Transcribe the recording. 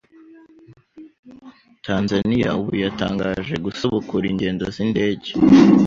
Tanzania ubu yatangaje gusubukura ingendo z’indege